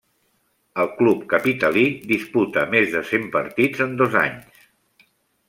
Al club capitalí disputa més de cent partits en dos anys.